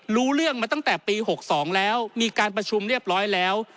รู้เรื่องมาตั้งแต่ปี๖๒แล้วมีการประชุมเรียบร้อยแล้ว